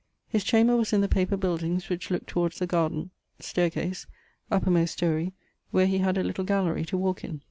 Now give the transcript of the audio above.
His chamber was in the paper buildings which looke towards the garden, ... staire case, uppermost story, where he had a little gallery to walke in.